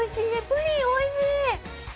プリンおいしい！